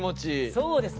そうですね。